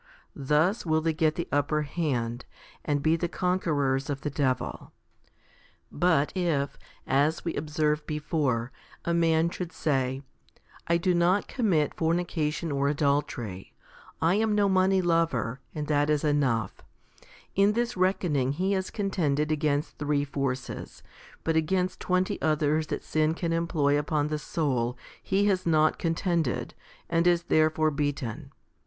2 Thus 1 Eph. iv. 13. 2 I Cor. xv. 36, HOMILY III 19 will they get the upper hand, and be the conquerors of the devil. But if, as we observed before, a man should say, " I do not commit fornication or adultery ; I am no money lover ; and that is enough," in this reckoning he has contended against three forces, but against twenty others that sin can employ upon the soul he has not contended, and is there fore beaten.